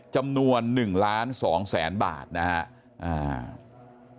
จำนวน๑๒๐๐๐๐๐บาทนะครับ